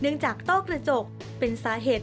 เนื่องจากต้อกระจกเป็นสาเหตุ